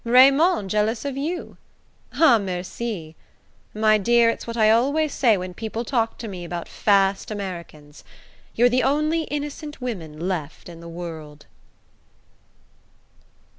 Raymond jealous of you? Ah, merci! My dear, it's what I always say when people talk to me about fast Americans: you're the only innocent women left in the world..."